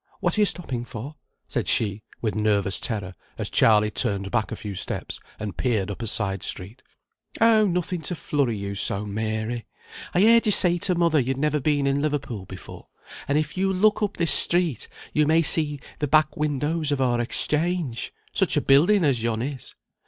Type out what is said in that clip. What are you stopping for?" said she, with nervous terror, as Charley turned back a few steps, and peered up a side street. "Oh, nothing to flurry you so, Mary. I heard you say to mother you had never been in Liverpool before, and if you'll only look up this street you may see the back windows of our Exchange. Such a building as yon is!